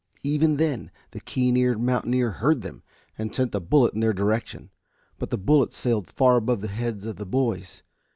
Even then the keen eared mountaineer heard them, and sent a bullet in their direction, but the bullet sailed far above the heads of the boys.